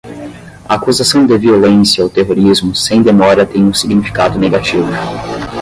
A acusação de "violência" ou "terrorismo" sem demora tem um significado negativo